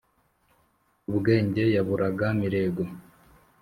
ubwenge yaburaga mirego,